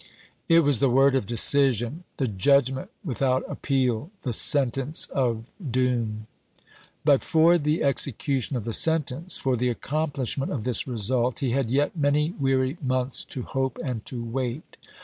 It was the word of decision, the judgment without appeal, the sentence of doom. But for the execution of the sentence, for the accomplishment of this result, he had yet many weary months to hope and to wait.